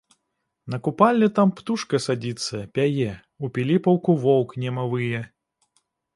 На купалле там птушка садзіцца, пяе, у піліпаўку воўк нема вые.